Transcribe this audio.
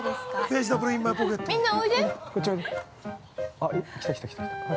あっ、来た来た来た来た。